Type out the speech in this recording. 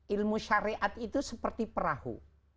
ilmu syariat itu seperti perahu